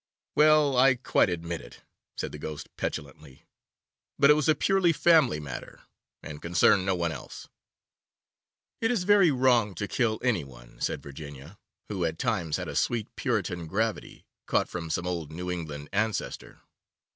'Well, I quite admit it,' said the Ghost petulantly, 'but it was a purely family matter, and concerned no one else.' 'It is very wrong to kill any one,' said Virginia, who at times had a sweet Puritan gravity, caught from some old New England ancestor.